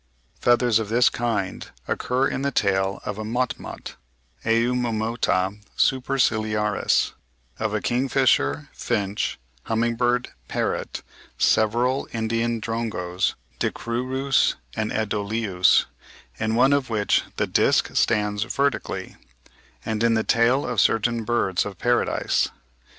Feathers of this kind occur in the tail of a motmot (Eumomota superciliaris), of a king fisher, finch, humming bird, parrot, several Indian drongos (Dicrurus and Edolius, in one of which the disc stands vertically), and in the tail of certain birds of paradise.